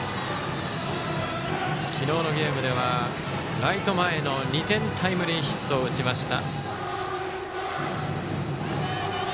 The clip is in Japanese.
昨日のゲームでは、ライト前の２点タイムリーヒットを打ちました。